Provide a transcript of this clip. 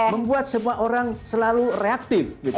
membuat semua orang selalu reaktif